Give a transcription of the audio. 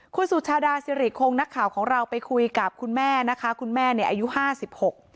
คุณสุชาดาสิริคงนักข่าวของเราไปคุยกับคุณแม่นะคะคุณแม่เนี่ยอายุห้าสิบหก